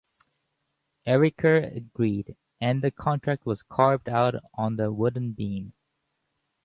Eirikur agreed, and the contract was carved out on a wooden beam.